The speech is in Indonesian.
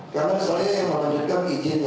karena saya yang melanjutkan izinnya